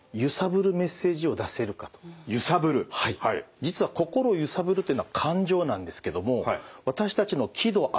実は心をゆさぶるというのは感情なんですけども私たちの喜怒哀